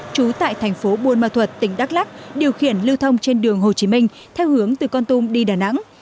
trú tại thành phố buôn ma thuật tỉnh đắk lắc điều khiển lưu thông trên đường hồ chí minh theo hướng từ con tum đi đà nẵng